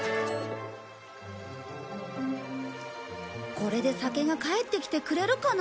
これで酒が帰ってきてくれるかな？